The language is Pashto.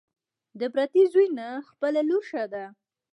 ـ د پردي زوى نه، خپله لور ښه ده.